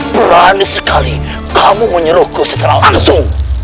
berani sekali kamu menyuruhku secara langsung